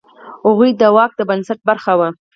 هغوی د واک د بنسټ برخه وه.